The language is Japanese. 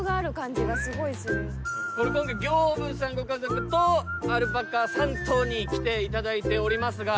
刑部さんご家族とアルパカ３頭に来ていただいております。